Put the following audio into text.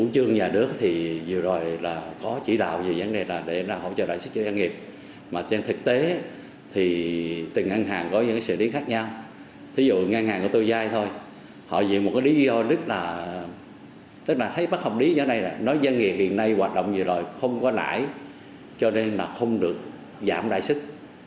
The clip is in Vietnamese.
chứng minh doanh nghiệp đang có khó khăn lãng lý phải được hỗ trợ đại sức